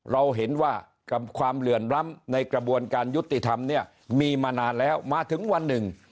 เราเห็นว่ากับความเหลื่อนล้ำในกระบวนการยุติธรรมเนี่ยมีมานานแล้วมาถึงวันหนึ่ง